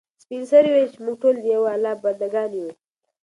سپین سرې وویل چې موږ ټول د یو الله بنده ګان یو.